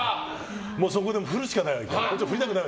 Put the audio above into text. そこで振るしかないわけ。